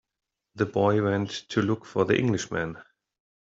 The boy went to look for the Englishman.